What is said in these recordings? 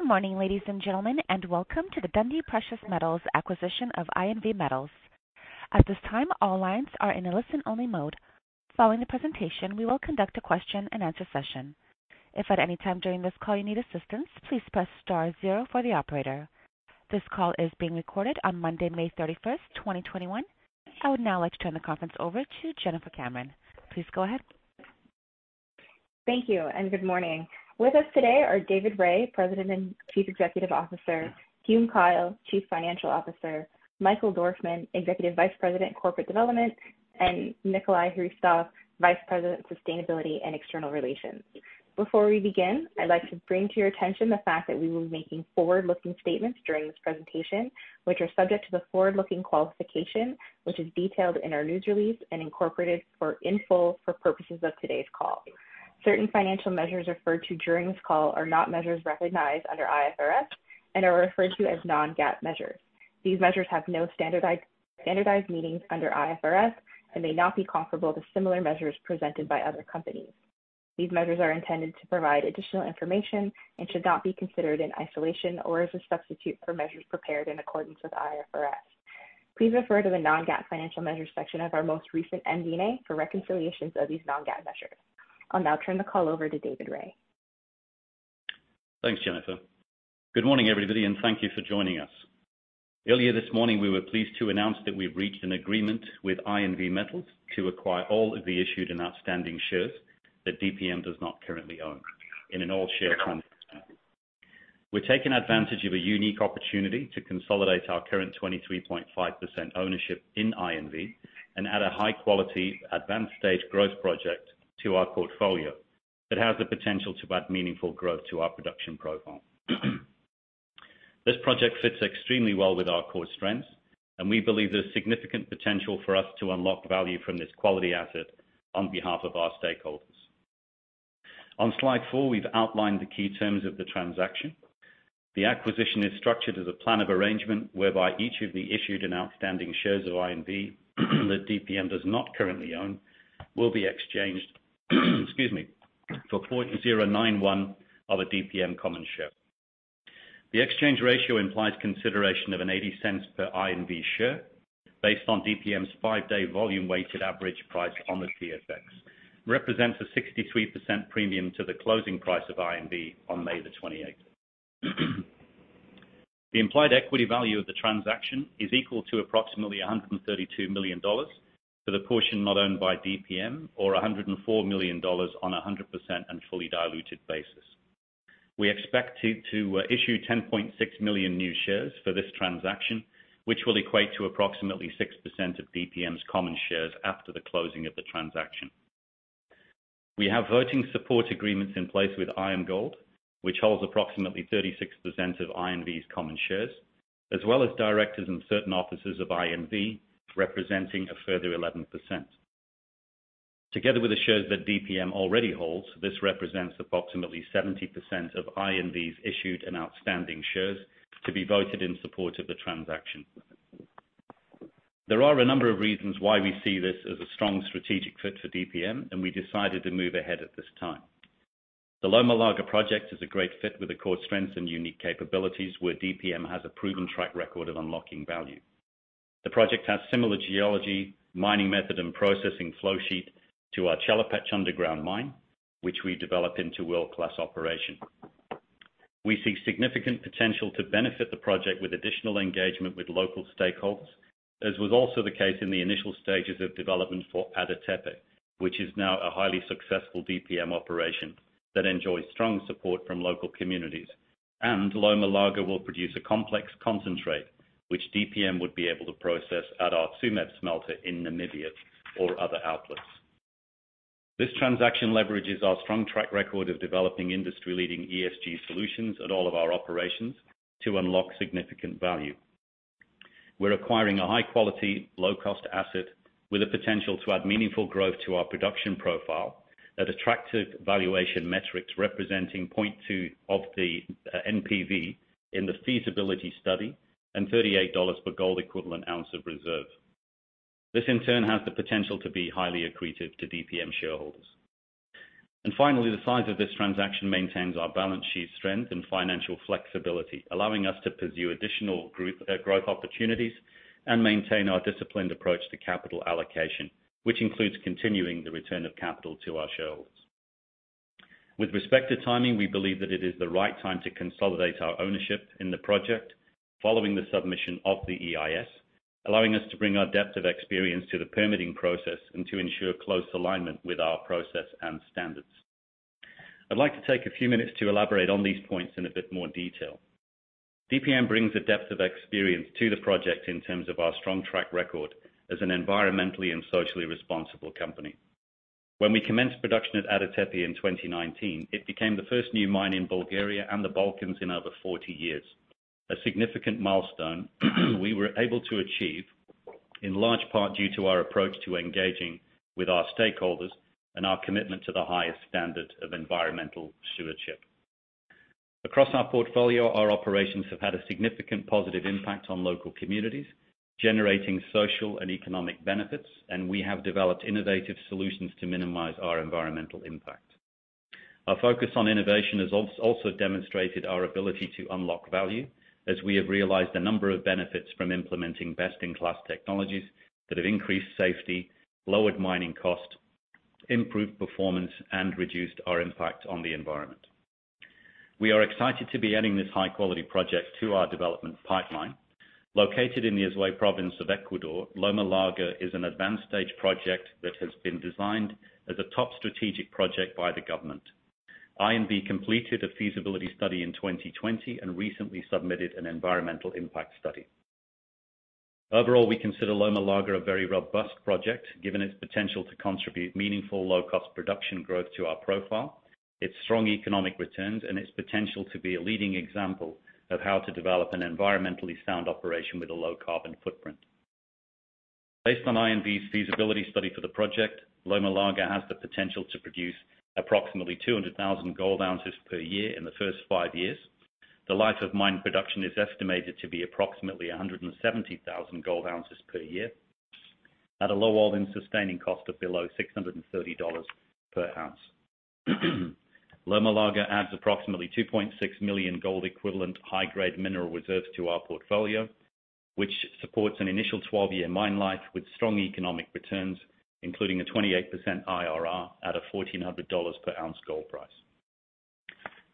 Good morning, ladies and gentlemen, and welcome to the Dundee Precious Metals acquisition of INV Metals. Following the presentation, we will conduct a question-and-answer session. This call is being recorded on Monday, May 31st, 2021. I would now like to turn the conference over to Jennifer Cameron. Please go ahead. Thank you, and good morning. With us today are David Rae, President and Chief Executive Officer, Hume Kyle, Chief Financial Officer, Michael Dorfman, Executive Vice President, Corporate Development, and Nikolay Hristov, Vice President, Sustainability and External Relations. Before we begin, I'd like to bring to your attention the fact that we will be making forward-looking statements during this presentation, which are subject to the forward-looking qualification, which is detailed in our news release and incorporated for info for purposes of today's call. Certain financial measures referred to during this call are not measures recognized under IFRS and are referred to as non-GAAP measures. These measures have no standardized meanings under IFRS and may not be comparable to similar measures presented by other companies. These measures are intended to provide additional information and should not be considered in isolation or as a substitute for measures prepared in accordance with IFRS. Please refer to the non-GAAP financial measures section of our most recent MD&A for reconciliations of these non-GAAP measures. I'll now turn the call over to David Rae. Thanks, Jennifer. Good morning, everybody. Thank you for joining us. Earlier this morning, we were pleased to announce that we've reached an agreement with INV Metals to acquire all of the issued and outstanding shares that DPM does not currently own in an all-share transaction. We're taking advantage of a unique opportunity to consolidate our current 23.5% ownership in INV and add a high-quality, advanced-stage growth project to our portfolio that has the potential to add meaningful growth to our production profile. This project fits extremely well with our core strengths, and we believe there's significant potential for us to unlock value from this quality asset on behalf of our stakeholders. On slide four, we've outlined the key terms of the transaction. The acquisition is structured as a plan of arrangement whereby each of the issued and outstanding shares of INV that DPM does not currently own will be exchanged, excuse me, for 0.091 of a DPM common share. The exchange ratio implies consideration of 0.80 per INV share based on DPM's 5-day volume-weighted average price on the TSX. It represents a 63% premium to the closing price of INV on May the 28th. The implied equity value of the transaction is equal to approximately $132 million for the portion not owned by DPM or $104 million on a 100% and fully diluted basis. We expect to issue 10.6 million new shares for this transaction, which will equate to approximately 6% of DPM's common shares after the closing of the transaction. We have voting support agreements in place with IAMGOLD, which holds approximately 36% of INV's common shares, as well as directors and certain officers of INV, representing a further 11%. Together with the shares that DPM already holds, this represents approximately 70% of INV's issued and outstanding shares to be voted in support of the transaction. There are a number of reasons why we see this as a strong strategic fit for DPM, and we decided to move ahead at this time. The Loma Larga project is a great fit with the core strengths and unique capabilities where DPM has a proven track record of unlocking value. The project has similar geology, mining method, and processing flow sheet to our Chelopech underground mine, which we developed into a world-class operation. We see significant potential to benefit the project with additional engagement with local stakeholders, as was also the case in the initial stages of development for Ada Tepe, which is now a highly successful DPM operation that enjoys strong support from local communities. Loma Larga will produce a complex concentrate, which DPM would be able to process at our Tsumeb smelter in Namibia or other outlets. This transaction leverages our strong track record of developing industry-leading ESG solutions at all of our operations to unlock significant value. We're acquiring a high-quality, low-cost asset with the potential to add meaningful growth to our production profile at attractive valuation metrics, representing 0.2 of the NPV in the feasibility study and $38 per gold equivalent ounce of reserve. This, in turn, has the potential to be highly accretive to DPM shareholders. Finally, the size of this transaction maintains our balance sheet strength and financial flexibility, allowing us to pursue additional growth opportunities and maintain our disciplined approach to capital allocation, which includes continuing the return of capital to our shareholders. With respect to timing, we believe that it is the right time to consolidate our ownership in the project following the submission of the EIS, allowing us to bring our depth of experience to the permitting process and to ensure close alignment with our process and standards. I'd like to take a few minutes to elaborate on these points in a bit more detail. DPM brings a depth of experience to the project in terms of our strong track record as an environmentally and socially responsible company. When we commenced production at Ada Tepe in 2019, it became the first new mine in Bulgaria and the Balkans in over 40 years. A significant milestone we were able to achieve in large part due to our approach to engaging with our stakeholders and our commitment to the highest standards of environmental stewardship. Across our portfolio, our operations have had a significant positive impact on local communities, generating social and economic benefits, and we have developed innovative solutions to minimize our environmental impact. Our focus on innovation has also demonstrated our ability to unlock value, as we have realized a number of benefits from implementing best-in-class technologies that have increased safety, lowered mining costs, improved performance, and reduced our impact on the environment. We are excited to be adding this high-quality project to our development pipeline. Located in the Azuay province of Ecuador, Loma Larga is an advanced stage project that has been designed as a top strategic project by the government. INV completed a feasibility study in 2020 and recently submitted an environmental impact study. Overall, we consider Loma Larga a very robust project, given its potential to contribute meaningful low-cost production growth to our profile, its strong economic returns, and its potential to be a leading example of how to develop an environmentally sound operation with a low carbon footprint. Based on INV's feasibility study for the project, Loma Larga has the potential to produce approximately 200,000 gold ounces per year in the first five years. The life of mine production is estimated to be approximately 170,000 gold ounces per year, at a low all-in sustaining cost of below $630 per ounce. Loma Larga adds approximately 2.6 million gold equivalent high-grade mineral reserves to our portfolio, which supports an initial 12-year mine life with strong economic returns, including a 28% IRR at a $1,400 per ounce gold price.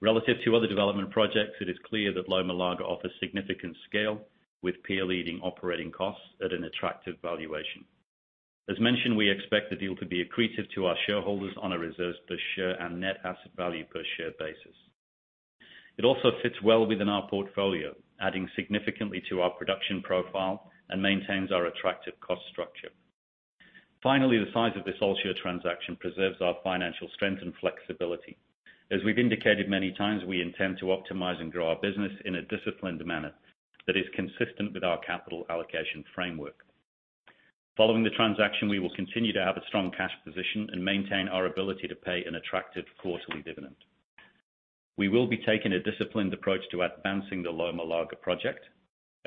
Relative to other development projects, it is clear that Loma Larga offers significant scale, with peer-leading operating costs at an attractive valuation. As mentioned, we expect the deal to be accretive to our shareholders on a reserves-per-share and net asset value per share basis. It also fits well within our portfolio, adding significantly to our production profile, and maintains our attractive cost structure. Finally, the size of this all share transaction preserves our financial strength and flexibility. As we've indicated many times, we intend to optimize and grow our business in a disciplined manner that is consistent with our capital allocation framework. Following the transaction, we will continue to have a strong cash position and maintain our ability to pay an attractive quarterly dividend. We will be taking a disciplined approach to advancing the Loma Larga project.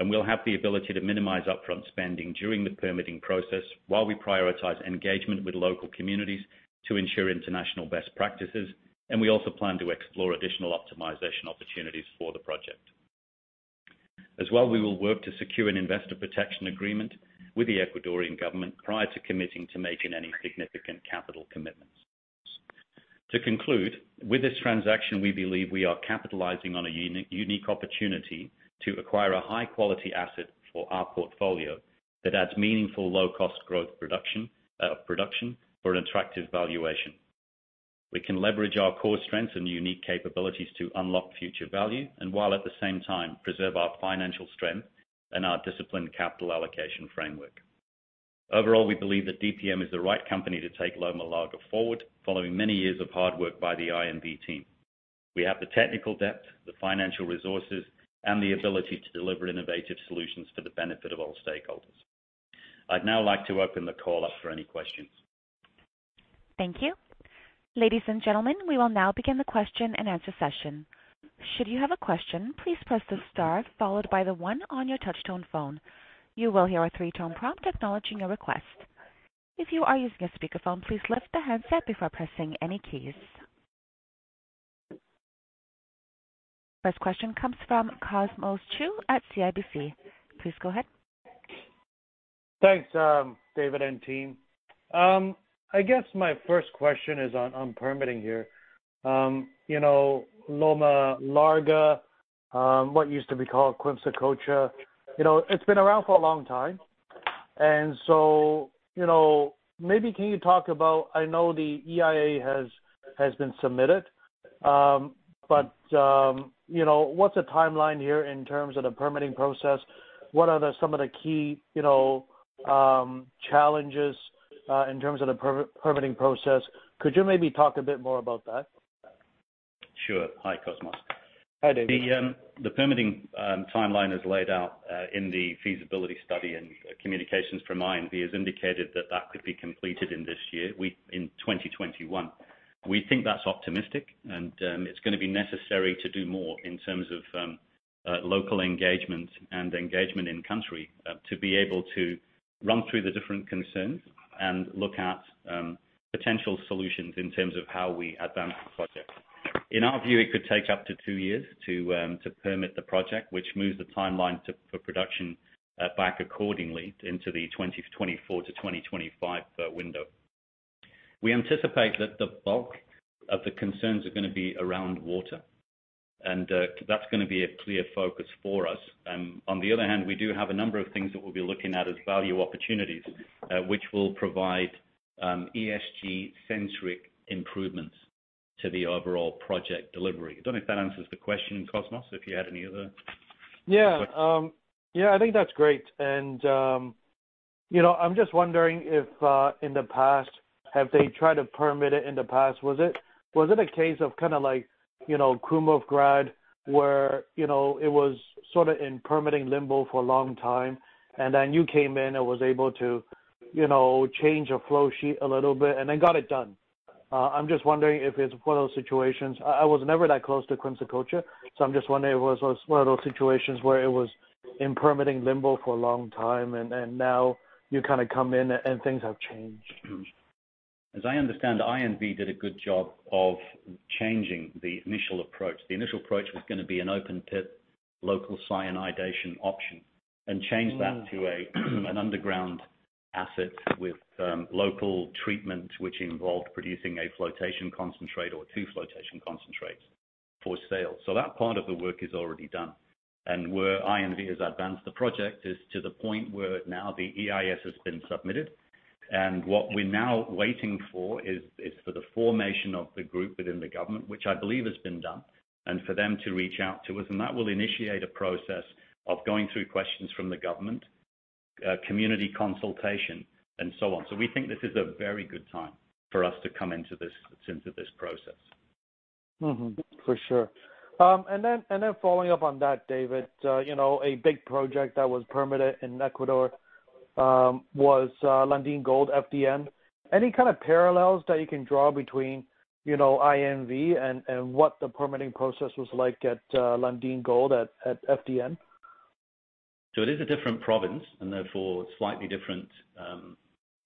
We'll have the ability to minimize upfront spending during the permitting process while we prioritize engagement with local communities to ensure international best practices. We also plan to explore additional optimization opportunities for the project. As well, we will work to secure an investor protection agreement with the Ecuadorian government prior to committing to making any significant capital commitments. To conclude, with this transaction, we believe we are capitalizing on a unique opportunity to acquire a high-quality asset for our portfolio that adds meaningful low-cost growth production for an attractive valuation. We can leverage our core strengths and unique capabilities to unlock future value. While at the same time preserve our financial strength and our disciplined capital allocation framework. Overall, we believe that DPM is the right company to take Loma Larga forward following many years of hard work by the INV team. We have the technical depth, the financial resources, and the ability to deliver innovative solutions for the benefit of all stakeholders. I'd now like to open the call up for any questions. Thank you. Ladies and gentlemen, we will now begin the question-and-answer session. Should you have a question, please press the star followed by the one on your touchtone phone. You will hear a three-tone prompt acknowledging your request. If you are using a speakerphone, please lift the handset before pressing any keys. First question comes from Cosmos Chiu at CIBC. Please go ahead. Thanks, David and team. I guess my first question is on permitting here. Loma Larga, what used to be called Quimsacocha, it's been around for a long time. Maybe can you talk about, I know the EIA has been submitted, but what's the timeline here in terms of the permitting process? What are some of the key challenges in terms of the permitting process? Could you maybe talk a bit more about that? Sure. Hi, Cosmos. Hi, David. The permitting timeline is laid out in the feasibility study, communications from INV has indicated that could be completed in this year, in 2021. We think that's optimistic, it's going to be necessary to do more in terms of local engagement and engagement in-country to be able to run through the different concerns and look at potential solutions in terms of how we advance the project. In our view, it could take up to two years to permit the project, which moves the timeline for production back accordingly into the 2024 to 2025 window. We anticipate that the bulk of the concerns are going to be around water, that's going to be a clear focus for us. On the other hand, we do have a number of things that we'll be looking at as value opportunities, which will provide ESG-centric improvements to the overall project delivery. I don't know if that answers the question, Cosmos, if you had any other questions. Yeah. I think that's great. I'm just wondering if in the past, have they tried to permit it in the past? Was it a case of kind of like Krumovgrad, where it was sort of in permitting limbo for a long time, and then you came in and was able to change the flow sheet a little bit and then got it done? I'm just wondering if it's one of those situations. I was never that close to Quimsacocha, so I'm just wondering if it was one of those situations where it was in permitting limbo for a long time, and now you come in and things have changed. As I understand, INV did a good job of changing the initial approach. The initial approach was going to be an open pit local cyanidation option and change that to an underground asset with local treatment, which involved producing a flotation concentrate or two flotation concentrates for sale. That part of the work is already done. Where INV has advanced the project is to the point where now the EIS has been submitted, and what we're now waiting for is for the formation of the group within the government, which I believe has been done, and for them to reach out to us, and that will initiate a process of going through questions from the government, community consultation, and so on. We think this is a very good time for us to come into this process. Mm-hmm. For sure. Following up on that, David, a big project that was permitted in Ecuador was Lundin Gold FDN. Any parallels that you can draw between INV and what the permitting process was like at Lundin Gold at FDN? It is a different province and therefore a slightly different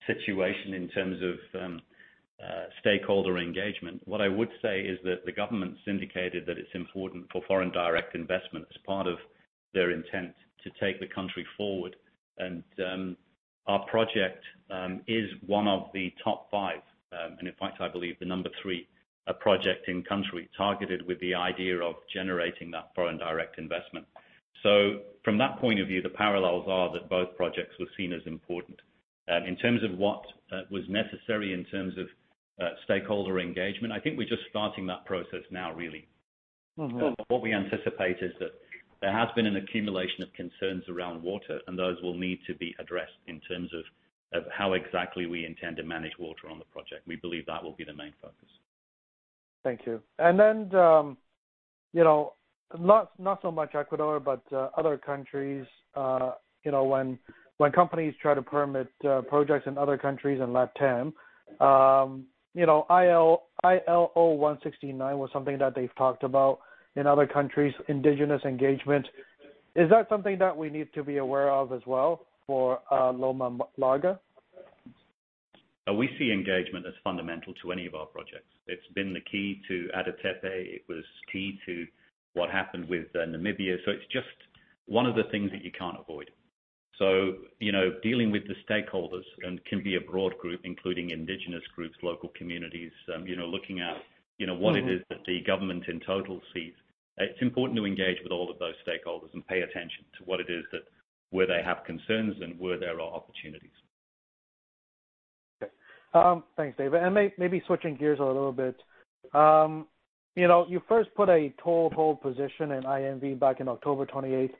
situation in terms of stakeholder engagement. What I would say is that the government's indicated that it's important for foreign direct investment as part of their intent to take the country forward. Our project is one of the top five, and in fact, I believe the number 3 project in country targeted with the idea of generating that foreign direct investment. From that point of view, the parallels are that both projects were seen as important. In terms of what was necessary in terms of stakeholder engagement, I think we're just starting that process now, really. What we anticipate is that there has been an accumulation of concerns around water, and those will need to be addressed in terms of how exactly we intend to manage water on the project. We believe that will be the main focus. Thank you. Not so much Ecuador, but other countries, when companies try to permit projects in other countries in LatAm, ILO 169 was something that they've talked about in other countries, indigenous engagement. Is that something that we need to be aware of as well for Loma Larga? We see engagement as fundamental to any of our projects. It's been the key to Ada Tepe, it was key to what happened with Namibia. It's just one of the things that you can't avoid. Dealing with the stakeholders can be a broad group, including indigenous groups, local communities, looking at what it is that the government in total sees. It's important to engage with all of those stakeholders and pay attention to what it is that, where they have concerns and where there are opportunities. Okay. Thanks, David. Maybe switching gears a little bit. You first put a toehold position in INV back in October 28th,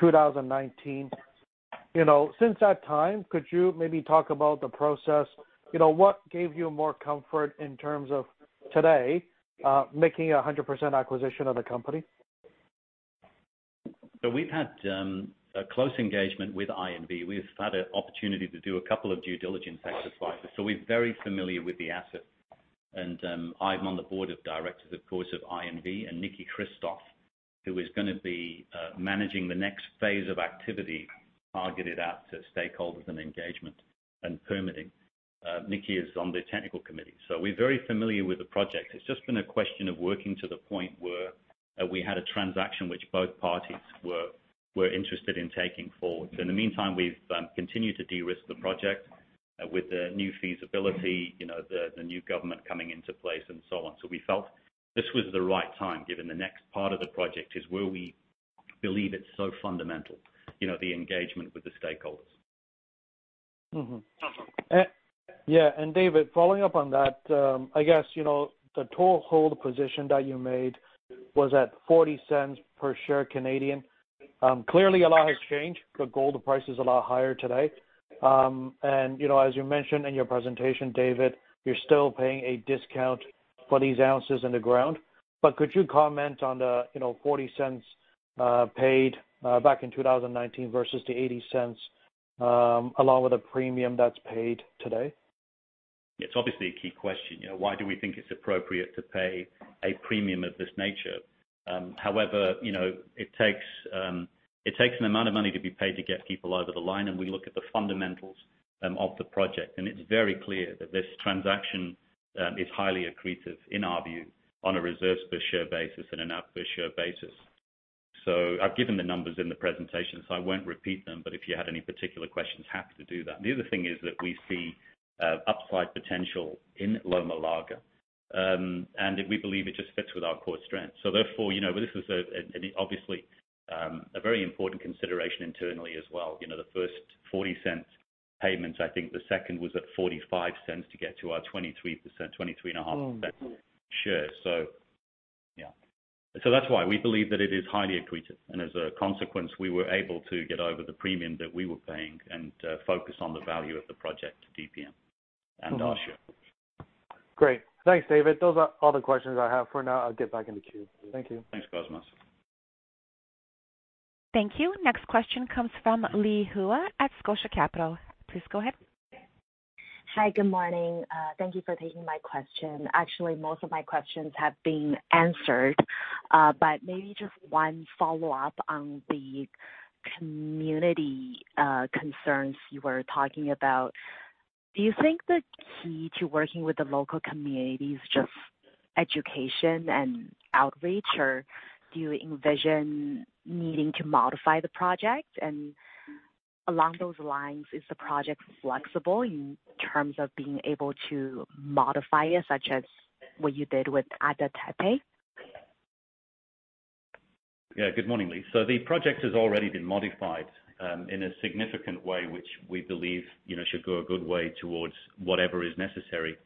2019. Since that time, could you maybe talk about the process? What gave you more comfort in terms of today, making 100% acquisition of the company? We've had a close engagement with INV. We've had an opportunity to do a couple of due diligence exercises. We're very familiar with the asset, and I'm on the board of directors, of course, at INV, and Mark Kristoff, who is going to be managing the next phase of activity targeted at stakeholders and engagement and permitting. Mark Kristoff is on the technical committee, so we're very familiar with the project. It's just been a question of working to the point where we had a transaction which both parties were interested in taking forward. In the meantime, we've continued to de-risk the project with the new feasibility, the new government coming into place, and so on. We felt this was the right time, given the next part of the project is where we believe it's so fundamental, the engagement with the stakeholders. Yeah. David, following up on that, I guess, the toehold position that you made was at 0.40 per share. Clearly, a lot has changed. The gold price is a lot higher today. As you mentioned in your presentation, David, you're still paying a discount for these ounces in the ground. Could you comment on the 0.40 paid back in 2019 versus the 0.80, along with a premium that's paid today? It's obviously a key question. Why do we think it's appropriate to pay a premium of this nature? It takes an amount of money to be paid to get people over the line, and we look at the fundamentals of the project, and it's very clear that this transaction is highly accretive in our view, on a reserves per share basis and an NAV per share basis. I've given the numbers in the presentation, I won't repeat them, if you had any particular questions, happy to do that. The other thing is that we see upside potential in Loma Larga, we believe it just fits with our core strength. Therefore, this was obviously a very important consideration internally as well. The first 0.40 payment, I think the second was at 0.45 to get to our 23%, 23.5% share. Yeah. That's why we believe that it is highly accretive, and as a consequence, we were able to get over the premium that we were paying and focus on the value of the project to DPM and our share. Great. Thanks, David. Those are all the questions I have for now. I'll get back in the queue. Thank you. Thanks, Cosmos. Thank you. Next question comes from Leah Aulenbach at Scotia Capital. Please go ahead. Hi. Good morning. Thank you for taking my question. Actually, most of my questions have been answered, maybe just one follow-up on the community concerns you were talking about. Do you think the key to working with the local community is just education and outreach, or do you envision needing to modify the project? Along those lines, is the project flexible in terms of being able to modify it, such as what you did with Ada Tepe? Yeah. Good morning, Leah. The project has already been modified in a significant way, which we believe should go a good way towards whatever is necessary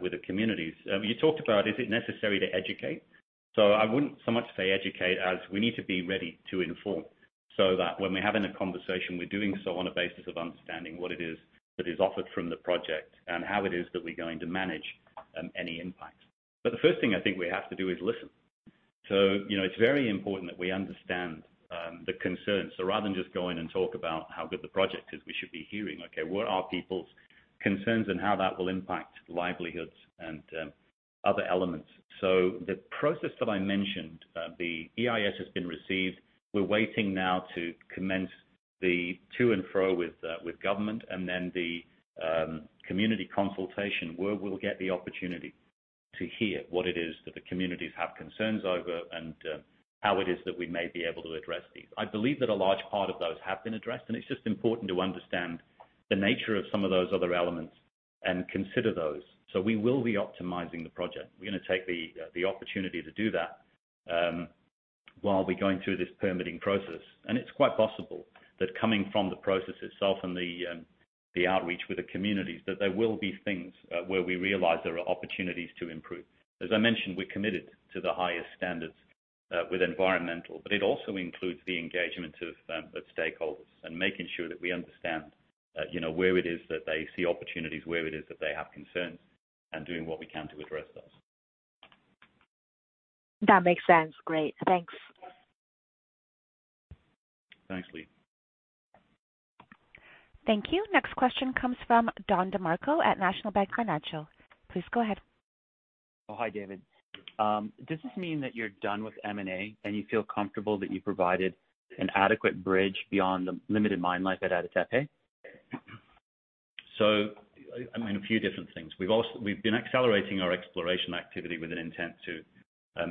with the communities. You talked about is it necessary to educate? I wouldn't so much say educate as we need to be ready to inform, so that when we're having a conversation, we're doing so on a basis of understanding what it is that is offered from the project and how it is that we're going to manage any impact. The first thing I think we have to do is listen. It's very important that we understand the concerns. Rather than just go in and talk about how good the project is, we should be hearing, okay, what are people's concerns and how that will impact livelihoods and other elements. The process that I mentioned, the EIS has been received. We are waiting now to commence the to and fro with government and then the community consultation, where we will get the opportunity to hear what it is that the communities have concerns over and how it is that we may be able to address these. I believe that a large part of those have been addressed, and it is just important to understand the nature of some of those other elements and consider those. We will be optimizing the project. We are going to take the opportunity to do that while we are going through this permitting process. It is quite possible that coming from the process itself and the outreach with the communities, that there will be things where we realize there are opportunities to improve. As I mentioned, we're committed to the highest standards with environmental, but it also includes the engagement of stakeholders and making sure that we understand where it is that they see opportunities, where it is that they have concerns, and doing what we can to address those. That makes sense. Great. Thanks. Thanks, Leah. Thank you. Next question comes from Don DeMarco at National Bank Financial. Please go ahead. Oh, hi, David. Does this mean that you're done with M&A, and you feel comfortable that you provided an adequate bridge beyond the limited mine life at Ada Tepe? A few different things. We've been accelerating our exploration activity with an intent to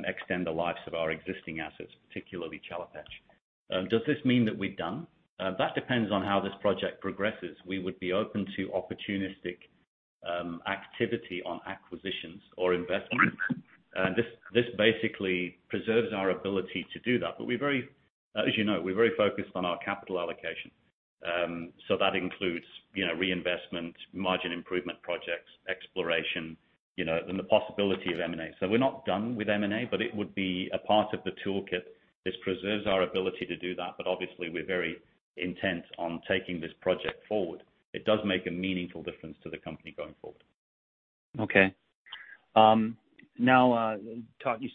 extend the life of our existing assets, particularly Chelopech. Does this mean that we're done? That depends on how this project progresses. We would be open to opportunistic activity on acquisitions or investments. This basically preserves our ability to do that. As you know, we're very focused on our capital allocation. That includes reinvestment, margin improvement projects, exploration, and the possibility of M&A. We're not done with M&A, but it would be a part of the toolkit. This preserves our ability to do that, but obviously we're very intent on taking this project forward. It does make a meaningful difference to the company going forward. You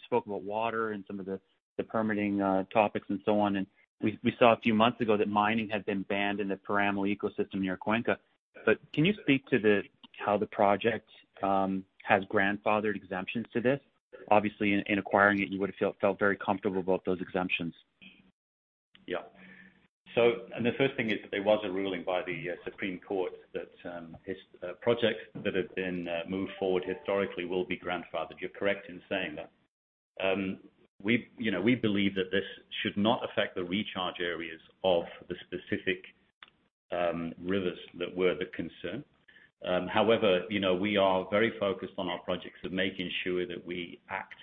spoke about water and some of the permitting topics and so on, and we saw a few months ago that mining had been banned in the Páramo ecosystem near Cuenca. Can you speak to how the project has grandfathered exemptions to this? Obviously, in acquiring it, you would have felt very comfortable about those exemptions. Yeah. The first thing is that there was a ruling by the Supreme Court that projects that have been moved forward historically will be grandfathered. You're correct in saying that. We believe that this should not affect the recharge areas of the specific rivers that were the concern. However, we are very focused on our projects and making sure that we act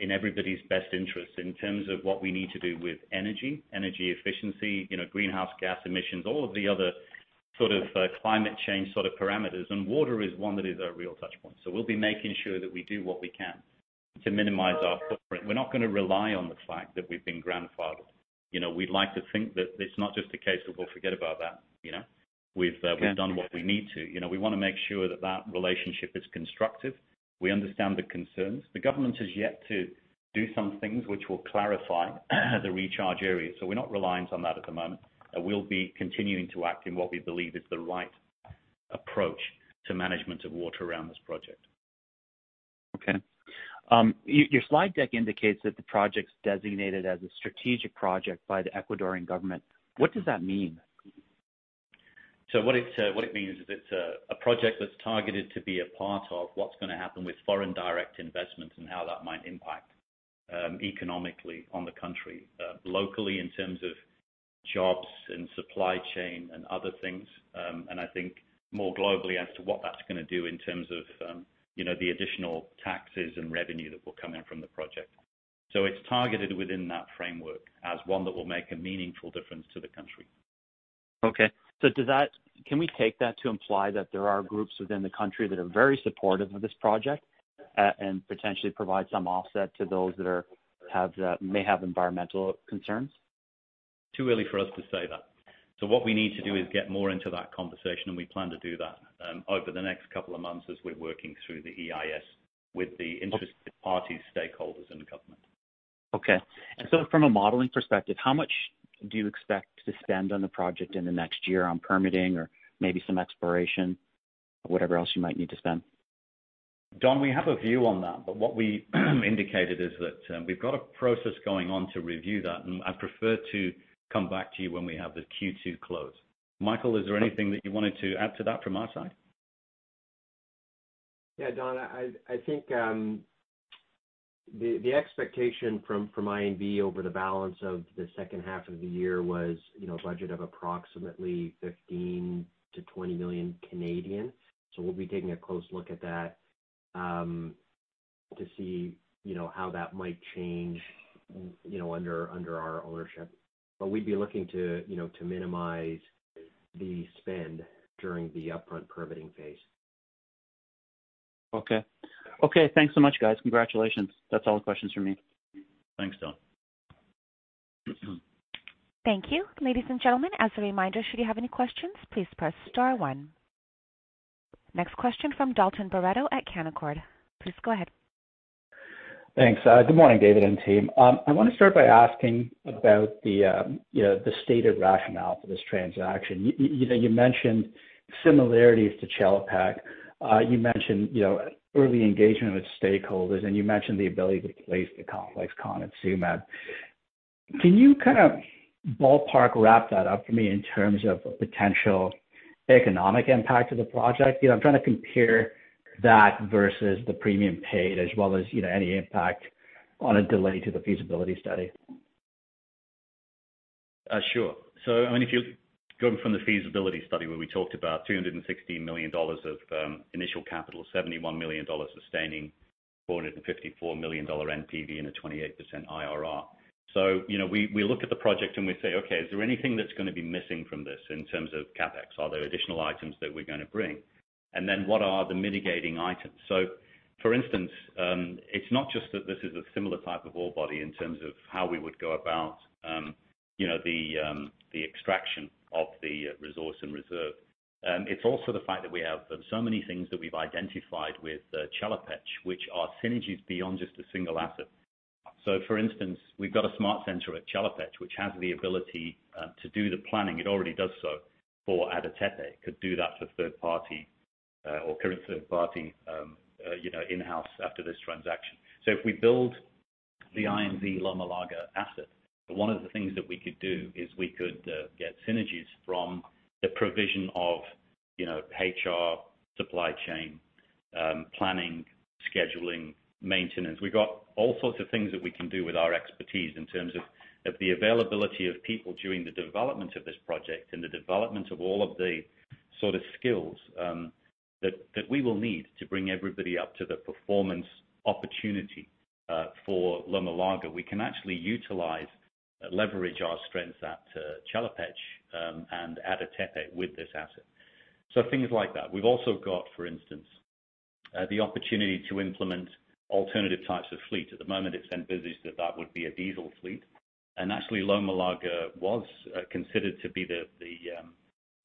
in everybody's best interest in terms of what we need to do with energy efficiency, greenhouse gas emissions, all of the other climate change parameters. Water is one that is a real touchpoint. We'll be making sure that we do what we can to minimize our footprint. We're not going to rely on the fact that we've been grandfathered. We'd like to think that it's not just a case of we'll forget about that. We've done what we need to. We want to make sure that that relationship is constructive. We understand the concerns. The government has yet to do some things which will clarify the recharge area. We're not reliant on that at the moment, and we'll be continuing to act in what we believe is the right approach to management of water around this project. Your slide deck indicates that the project's designated as a strategic project by the Ecuadorian government. What does that mean? What it means is it's a project that's targeted to be a part of what's going to happen with foreign direct investments and how that might impact economically on the country, locally in terms of jobs and supply chain and other things. I think more globally as to what's that going to do in terms of the additional taxes and revenue that will come in from the project. It's targeted within that framework as one that will make a meaningful difference to the country. Can we take that to imply that there are groups within the country that are very supportive of this project and potentially provide some offset to those that may have environmental concerns? Too early for us to say that. What we need to do is get more into that conversation, and we plan to do that over the next couple of months as we're working through the EIS with the interested parties, stakeholders, and the government. Okay. From a modeling perspective, how much do you expect to spend on the project in the next year on permitting or maybe some exploration, whatever else you might need to spend? Don, we have a view on that, but what we indicated is that we've got a process going on to review that, and I'd prefer to come back to you when we have the Q2 close. Michael, is there anything that you wanted to add to that from our side? Yeah. Don, I think the expectation from INV over the balance of the second half of the year was a budget of approximately 15 million-20 million. We'll be taking a close look at that to see how that might change under our ownership. We'd be looking to minimize the spend during the upfront permitting phase. Okay. Thanks so much, guys. Congratulations. That's all the questions from me. Thanks, Don. Thank you. Ladies and gentlemen, as a reminder, should you have any questions, please press star one. Next question from Dalton Baretto at Canaccord. Please go ahead. Thanks. Good morning, David and team. I want to start by asking about the stated rationale for this transaction. You mentioned similarities to Chelopech. You mentioned early engagement with stakeholders, and you mentioned the ability to place the complex concentrate at Tsumeb. Can you ballpark wrap that up for me in terms of potential economic impact of the project? I'm trying to compare that versus the premium paid as well as any impact on a delay to the feasibility study. Sure. If you go from the feasibility study where we talked about $260 million of initial capital, $71 million sustaining, $454 million NPV, and a 28% IRR. We look at the project and we say, okay, is there anything that's going to be missing from this in terms of CapEx? Are there additional items that we're going to bring? What are the mitigating items? For instance, it's not just that this is a similar type of ore body in terms of how we would go about the extraction of the resource and reserve. It's also the fact that we have so many things that we've identified with Chelopech, which are synergies beyond just a single asset. For instance, we've got a smart center at Chelopech, which has the ability to do the planning. It already does so for Ada Tepe, could do that for third party or current third party in-house after this transaction. If we build the INV Loma Larga asset, one of the things that we could do is we could get synergies from the provision of HR, supply chain, planning, scheduling, maintenance. We got all sorts of things that we can do with our expertise in terms of the availability of people during the development of this project and the development of all of the sort of skills that we will need to bring everybody up to the performance opportunity for Loma Larga. We can actually utilize, leverage our strengths at Chelopech, and Ada Tepe with this asset. Things like that. We've also got, for instance, the opportunity to implement alternative types of fleet. At the moment, it's envisaged that would be a diesel fleet. Actually, Loma Larga was considered to be the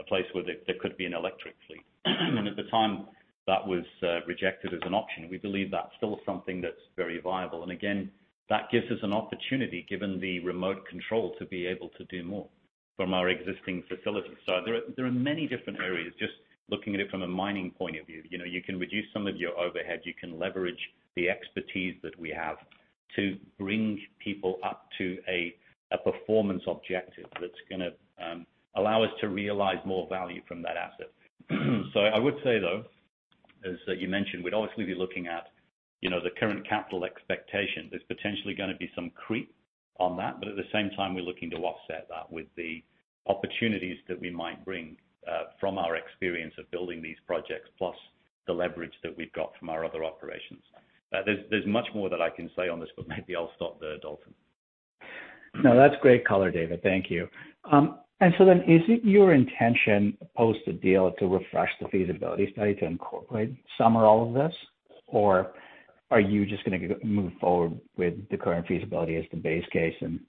place where there could be an electric fleet. At the time, that was rejected as an option. We believe that's still something that's very viable. Again, that gives us an opportunity, given the remote control, to be able to do more from our existing facilities. There are many different areas, just looking at it from a mining point of view. You can reduce some of your overhead, you can leverage the expertise that we have to bring people up to a performance objective that's going to allow us to realize more value from that asset. I would say, though, as you mentioned, we're obviously going to be looking at the current capital expectation. There's potentially going to be some creep on that, but at the same time, we're looking to offset that with the opportunities that we might bring from our experience of building these projects, plus the leverage that we've got from our other operations. There's much more that I can say on this, but maybe I'll stop there, Dalton. That's great color, David. Thank you. Is it your intention post the deal to refresh the feasibility study to incorporate some or all of this? Or are you just going to move forward with the current feasibility as the base case and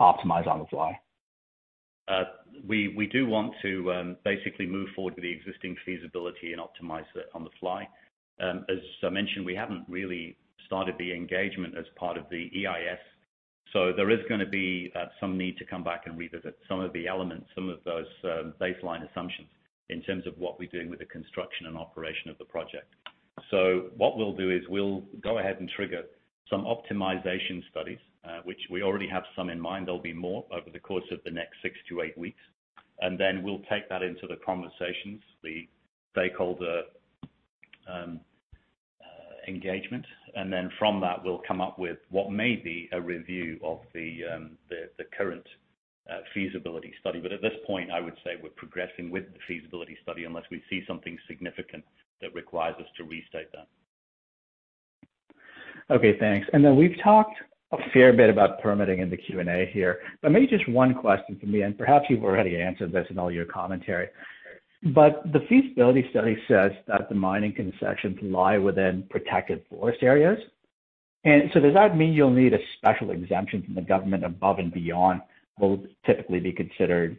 optimize on the fly? We do want to basically move forward with the existing feasibility and optimize it on the fly. As I mentioned, we haven't really started the engagement as part of the EIS, so there is going to be some need to come back and revisit some of the elements, some of those baseline assumptions in terms of what we do with the construction and operation of the project. What we'll do is we'll go ahead and trigger some optimization studies, which we already have some in mind. There'll be more over the course of the next six to eight weeks, and then we'll take that into the conversations, the stakeholder engagement, and then from that, we'll come up with what may be a review of the current feasibility study. At this point, I would say we're progressing with the feasibility study unless we see something significant that requires us to restate that. Okay, thanks. We've talked a fair bit about permitting in the Q&A here. Maybe just one question for me, and perhaps you've already answered this in all your commentary. The feasibility study says that the mining concessions lie within protected forest areas. Does that mean you'll need a special exemption from the government above and beyond what would typically be considered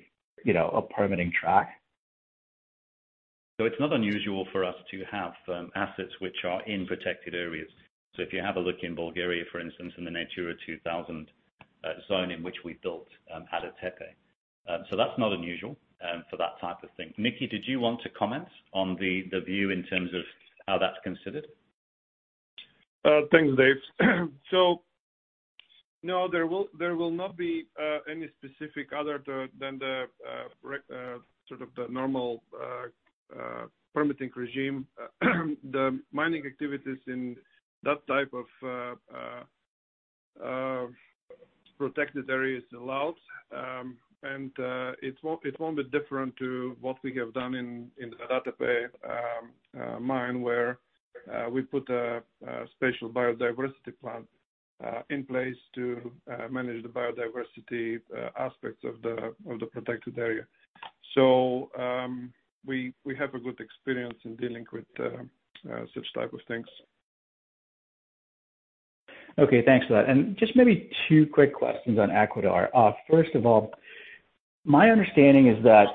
a permitting track? It's not unusual for us to have assets which are in protected areas. If you have a look in Bulgaria, for instance, in the Natura 2000 zone in which we built Ada Tepe. That's not unusual for that type of thing. Nikki, did you want to comment on the view in terms of how that's considered? Thanks, David. No, there will not be any specific other than the normal permitting regime, the mining activities in that type of protected areas allows. It won't be different to what we have done in Ada Tepe mine, where we put a special biodiversity plan in place to manage the biodiversity aspects of the protected area. We have a good experience in dealing with such type of things. Okay, thanks for that. Just maybe two quick questions on Ecuador. First of all, my understanding is that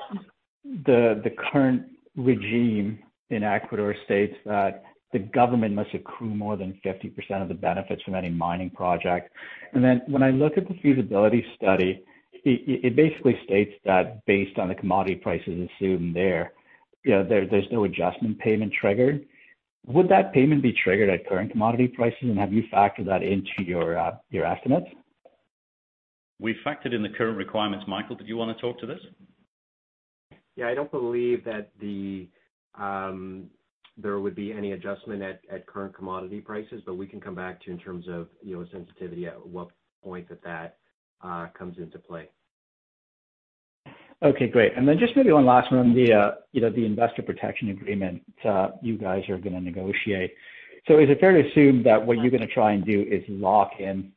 the current regime in Ecuador states that the government must accrue more than 50% of the benefits from any mining project. When I look at the feasibility study, it basically states that based on the commodity prices assumed there's no adjustment payment triggered. Would that payment be triggered at current commodity prices? Have you factored that into your estimates? We've factored in the current requirements. Michael, did you want to talk to this? I don't believe that there would be any adjustment at current commodity prices, but we can come back to you in terms of sensitivity at what point that comes into play. Great. Just maybe one last one on the investor protection agreement you guys are going to negotiate. Is it fair to assume that what you're going to try and do is lock in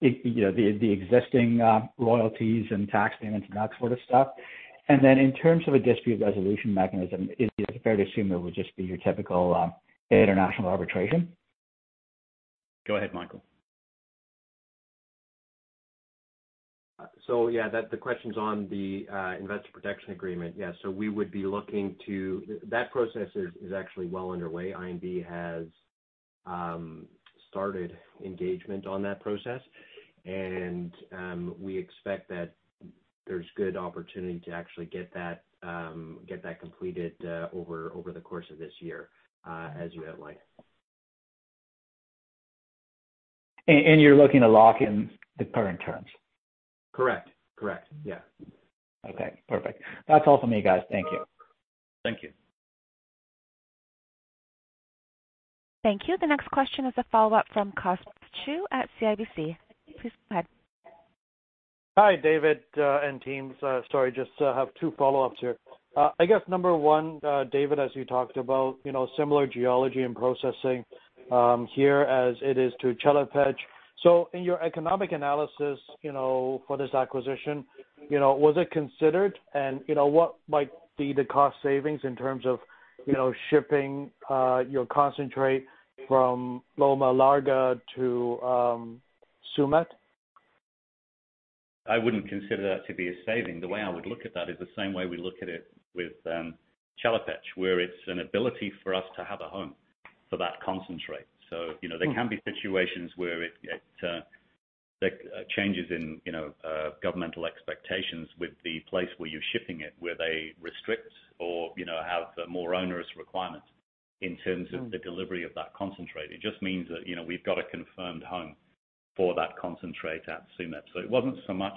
the existing royalties and tax payments and that sort of stuff? In terms of a dispute resolution mechanism, is it fair to assume it would just be your typical international arbitration? Go ahead, Michael. Yeah, the question's on the investor protection agreement. That process is actually well underway. INV has started engagement on that process, and we expect that there's good opportunity to actually get that completed over the course of this year as you outline. You're looking to lock in the current terms? Correct. Yes. Okay, perfect. That's all for me, guys. Thank you. Thank you. Thank you. The next question is a follow-up from Cosmos Chiu at CIBC. Please go ahead. Hi, David and team. Sorry, I just have two follow-ups here. I guess number 1, David, as you talked about similar geology and processing here as it is to Chelopech. In your economic analysis for this acquisition, was it considered and what might be the cost savings in terms of shipping your concentrate from Loma Larga to Tsumeb? I wouldn't consider that to be a saving. The way I would look at that is the same way we look at it with Chelopech, where it's an ability for us to have a home for that concentrate. There can be situations where it changes in governmental expectations with the place where you're shipping it, where they restrict or have more onerous requirements in terms of the delivery of that concentrate. It just means that we've got a confirmed home for that concentrate at Tsumeb. It wasn't so much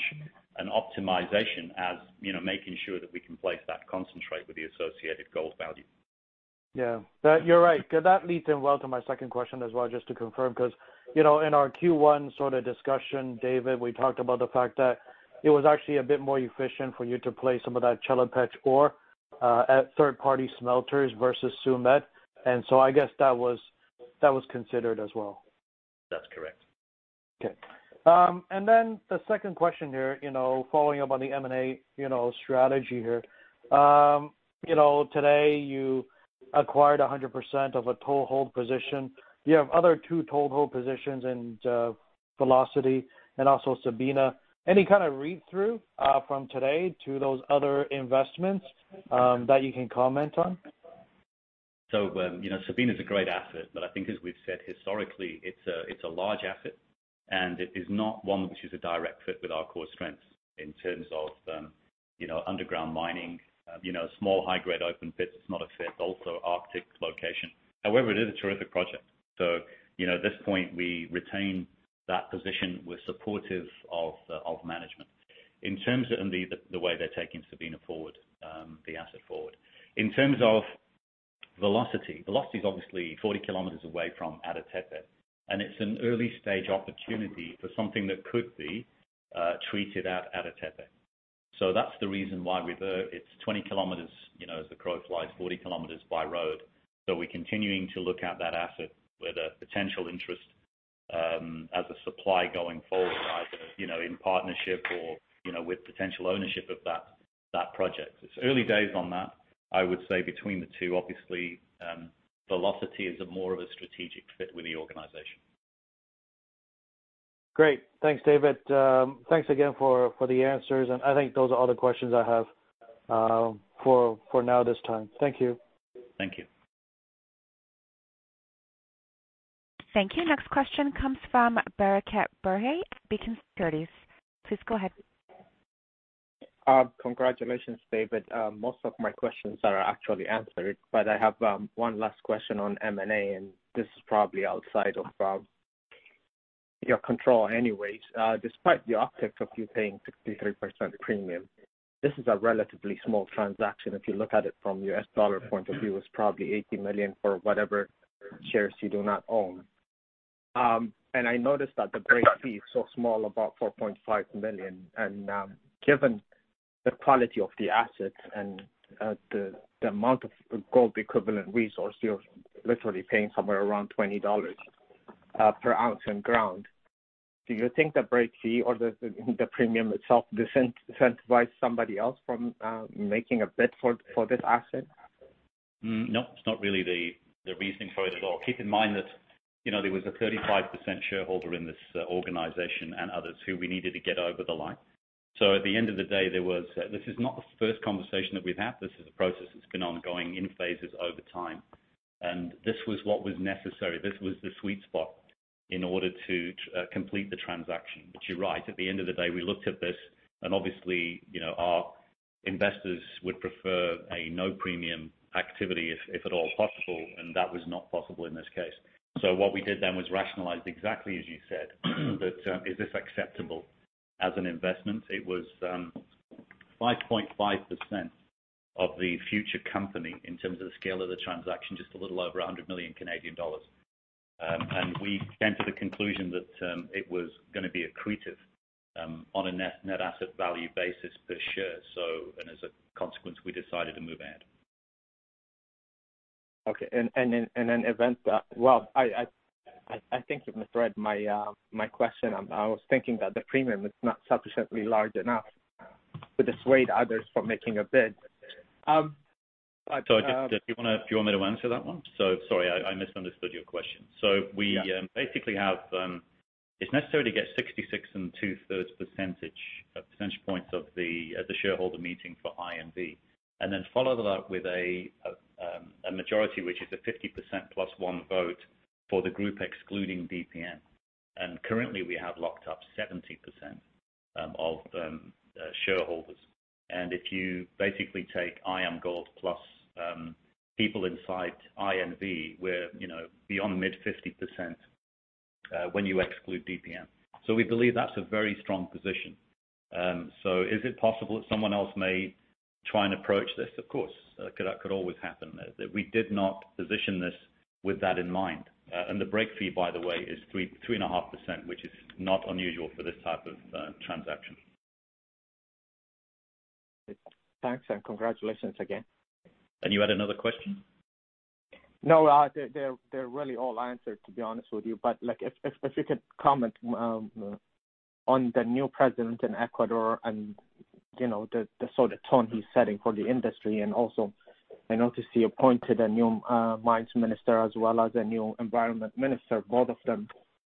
an optimization as making sure that we can place that concentrate with the associated gold value. Yeah. You're right because that leads in well to my second question as well, just to confirm, because in our Q1 sort of discussion, David, we talked about the fact that it was actually a bit more efficient for you to place some of that Chelopech ore at third-party smelters versus Tsumeb, and so I guess that was considered as well. That's correct. Okay. The second question here, following up on the M&A strategy here. Today you acquired 100% of a total hold position. You have other two toehold positions in Velocity and also Sabina. Any kind of read-through from today to those other investments that you can comment on? Sabina's a great asset, but I think as we've said historically, it's a large asset, and it is not one which is a direct fit with our core strengths in terms of underground mining, small high-grade open pits, not a fit, also Arctic location. However, it is a terrific project. At this point, we retain that position. We're supportive of management in terms of the way they're taking Sabina forward, the asset forward. In terms of Velocity's obviously 40 km away from Ada Tepe, and it's an early-stage opportunity for something that could be treated at Ada Tepe. That's the reason why it's 20 km as the crow flies, 40 km by road. We're continuing to look at that asset with a potential interest as a supply going forward, either in partnership or with potential ownership of that project. It's early days on that. I would say between the two, obviously, Velocity is more of a strategic fit with the organization. Great. Thanks, David. Thanks again for the answers, and I think those are all the questions I have for now this time. Thank you. Thank you. Thank you. Next question comes from Michael Curran at Beacon Securities. Please go ahead. Congratulations, David. Most of my questions are actually answered, but I have one last question on M&A, and this is probably outside of your control anyways. Despite the optics of you paying 63% premium, this is a relatively small transaction. If you look at it from US dollar point of view, it's probably $80 million for whatever shares you do not own. I noticed that the break fee is so small, about $4.5 million. Given the quality of the asset and the amount of gold-equivalent resource, you're literally paying somewhere around $20 per ounce in ground. Do you think the break fee or the premium itself incentivize somebody else from making a bid for this asset? No, it's not really the reasoning for it at all. Keep in mind that there was a 35% shareholder in this organization and others who we needed to get over the line. At the end of the day, this is not the first conversation that we've had. This is a process that's been ongoing in phases over time, and this was what was necessary. This was the sweet spot in order to complete the transaction. You're right. At the end of the day, we looked at this, and obviously our investors would prefer a no premium activity, if at all possible, and that was not possible in this case. What we did then was rationalize exactly as you said that, is this acceptable as an investment? It was 5.5% of the future company in terms of the scale of the transaction, just a little over 100 million Canadian dollars. We came to the conclusion that it was going to be accretive on a Net Asset Value basis per share. As a consequence, we decided to move ahead. Okay. In an event that I think you misread my question. I was thinking that the premium is not sufficiently large enough to dissuade others from making a bid. Do you want me to answer that one? Sorry, I misunderstood your question. Yeah. We basically have, it's necessary to get 66.66% percentage of percentage points at the shareholder meeting for INV, and then follow that up with a majority, which is a 50% plus one vote for the group, excluding DPM. Currently, we have locked up 70% of shareholders. If you basically take IAMGOLD plus people inside INV, we're beyond mid-50% when you exclude DPM. We believe that's a very strong position. Is it possible that someone else may try and approach this? Of course, that could always happen. We did not position this with that in mind. The break fee, by the way, is 3.5%, which is not unusual for this type of transaction. Thanks, and congratulations again. You had another question? They're really all answered, to be honest with you. If you could comment on the new president in Ecuador and the sort of tone he's setting for the industry, also I noticed he appointed a new mines minister as well as a new environment minister, both of them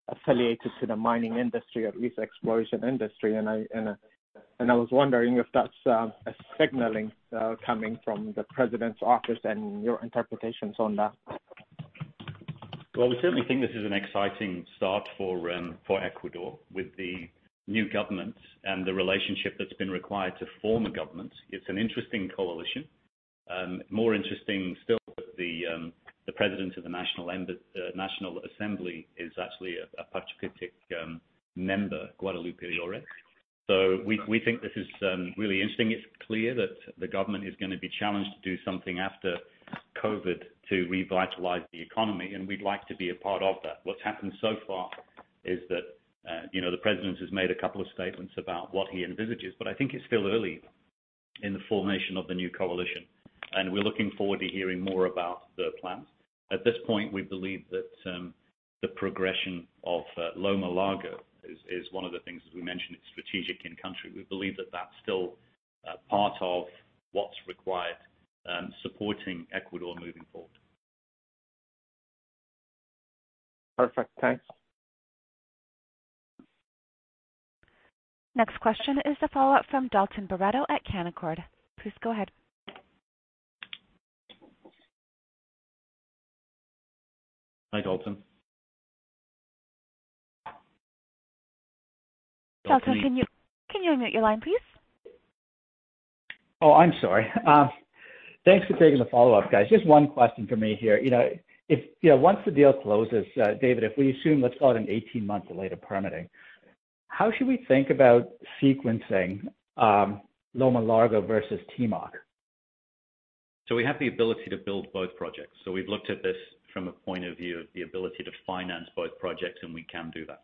affiliated to the mining industry, at least exploration industry. I was wondering if that's a signaling coming from the president's office and your interpretations on that. Well, we certainly think this is an exciting start for Ecuador with the new government and the relationship that's been required to form a government. It's an interesting coalition. More interesting still that the president of the National Assembly is actually a Pachakutik member, Guadalupe Llori. We think this is really interesting. It's clear that the government is going to be challenged to do something after COVID to revitalize the economy, and we'd like to be a part of that. What's happened so far is that the president has made a couple of statements about what he envisages, but I think it's still early in the formation of the new coalition, and we're looking forward to hearing more about the plans. At this point, we believe that the progression of Loma Larga is one of the things, as we mentioned, it's strategic in country. We believe that that's still part of what's required, supporting Ecuador moving forward. Perfect. Thanks. Next question is the follow-up from Dalton Baretto at Canaccord. Please go ahead. Hi, Dalton. Dalton, can you unmute your line, please? Oh, I'm sorry. Thanks for taking the follow-up, guys. Just one question from me here. Once the deal closes, David, if we assume let's call it an 18-month delay to permitting, how should we think about sequencing Loma Larga versus Timok? We have the ability to build both projects. We've looked at this from a point of view of the ability to finance both projects, and we can do that.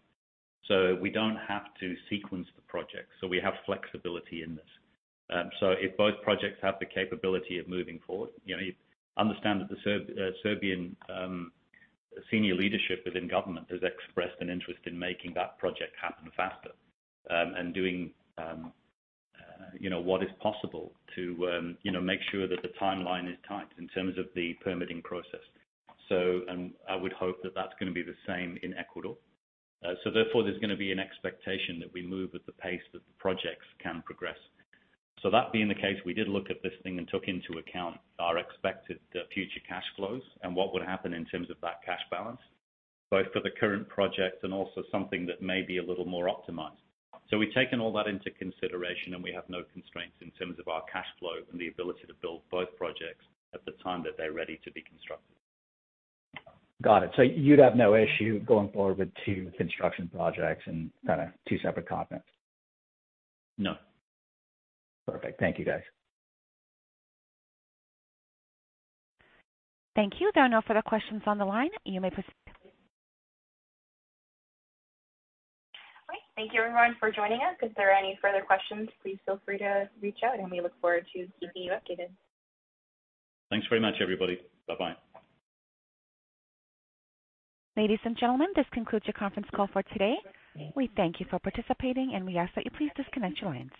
We don't have to sequence the project, so we have flexibility in this. If both projects have the capability of moving forward, you understand that the Serbian senior leadership within government has expressed an interest in making that project happen faster and doing what is possible to make sure that the timeline is tight in terms of the permitting process. I would hope that that's going to be the same in Ecuador. Therefore, there's going to be an expectation that we move at the pace that the projects can progress. That being the case, we did look at this thing and took into account our expected future cash flows and what would happen in terms of that cash balance, both for the current project and also something that may be a little more optimized. We've taken all that into consideration, and we have no constraints in terms of our cash flow and the ability to build both projects at the time that they're ready to be constructed. Got it. You'd have no issue going forward with two construction projects in two separate continents? No. Perfect. Thank you, guys. Thank you. There are no further questions on the line. You may proceed. All right. Thank you everyone for joining us. If there are any further questions, please feel free to reach out and we look forward to keeping you updated. Thanks very much, everybody. Bye-bye. Ladies and gentlemen, this concludes your conference call for today. We thank you for participating. We ask that you please disconnect your lines.